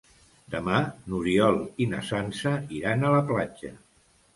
Demà n'Oriol i na Sança iran a la platja.